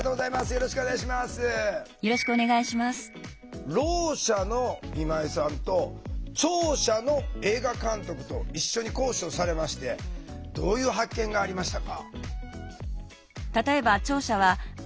ろう者の今井さんと聴者の映画監督と一緒に講師をされましてどういう発見がありましたか？